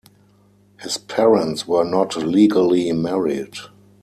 His parents were not legally married.